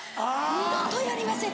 「二度とやりません